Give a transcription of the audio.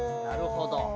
なるほど。